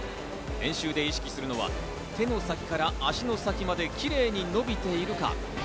練習で意識するのは手の先から足の先までキレイに伸びているか。